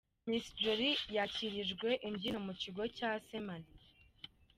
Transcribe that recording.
Miss Jolly yakirijwe imbyino mu kigo cya Sainte Marie.